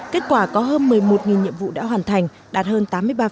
kết quả có hơn một mươi một nhiệm vụ đã hoàn thành đạt hơn tám mươi ba